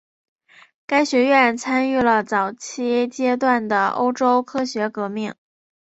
该学院参与了早期阶段的欧洲科学革命。